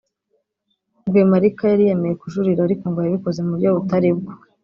Rwemalika yari yemerewe kujurira ariko ngo yabikoze mu buryo butari bwo